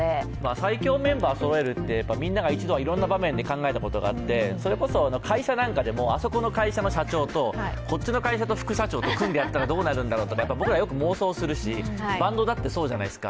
最強メンバーをそろえるって、んなが一番はいろんな場面で考えたことがあって、それこそ会社なんかでもあそこの会社の社長とこっちの会社の副社長と組んでやったらどうなるんだろうとか僕らよく妄想するしバンドだってそうじゃないですか。